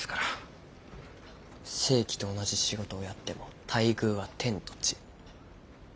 正規と同じ仕事をやっても待遇は天と地。